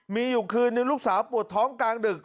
มีอยู่คืนนึงลูกสาวปวดท้องกลางดึก